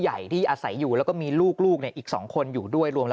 ใหญ่ที่อาศัยอยู่แล้วก็มีลูกอีก๒คนอยู่ด้วยรวมแล้ว